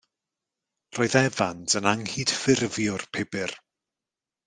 Roedd Evans yn Anghydffurfiwr pybyr.